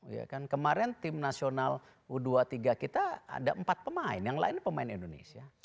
ya kan kemarin tim nasional u dua puluh tiga kita ada empat pemain yang lain pemain indonesia